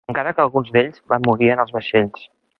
Encara que alguns d'ells van morir en els vaixells.